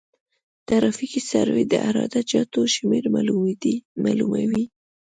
ترافیکي سروې د عراده جاتو شمېر معلوموي